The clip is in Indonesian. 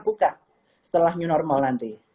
buka setelah new normal nanti